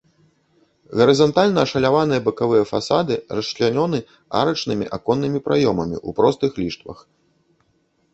Гарызантальна ашаляваныя бакавыя фасады расчлянёны арачнымі аконнымі праёмамі ў простых ліштвах.